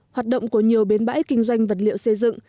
hoạt động của nhiều bến bãi kinh doanh vật liệu xây dựng